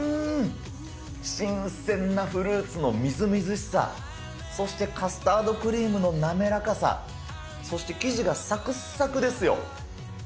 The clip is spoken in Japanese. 新鮮なフルーツのみずみずしさ、そしてカスタードクリームの滑らかさ、そして生地がさくっさくですよ。